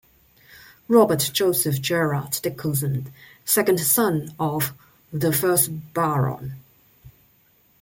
Robert Joseph Gerard-Dicconson, second son of the first Baron.